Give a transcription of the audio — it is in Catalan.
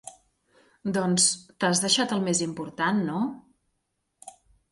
Doncs t'has deixat el més important, no?